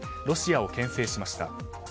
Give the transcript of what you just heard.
ロシアを牽制しました。